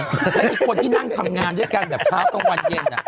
แล้วอีกคนที่นั่งทำงานด้วยกันแบบเช้ากลางวันเย็น